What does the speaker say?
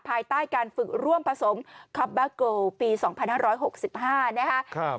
ภายใต้การฝึกร่วมผสมคอปบาโกปี๒๕๖๕นะครับ